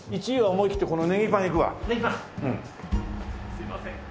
すいません。